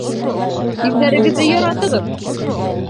Ирҙәрегеҙҙе яратығыҙ!